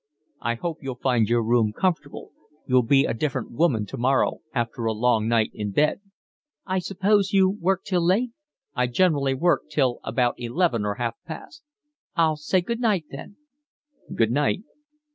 "I hope you'll find your room comfortable. You'll be a different woman tomorrow after a long night in bed." "I suppose you work till late?" "I generally work till about eleven or half past." "I'll say good night then." "Good night."